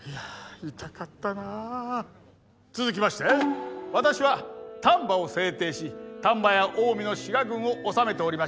続きまして私は丹波を平定し丹波や近江の志賀郡をおさめておりました。